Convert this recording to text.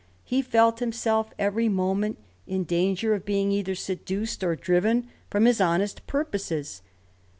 He felt himself every moment in danger of being either seduced or driven from his honest purposes.